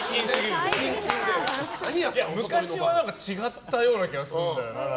昔は違ったような気がするんだよな。